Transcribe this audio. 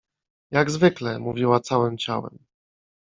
Jak zwykle — mówiła całym ciałem.